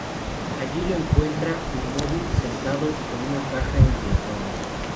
Allí lo encuentra, inmóvil, sentado con una caja en las manos.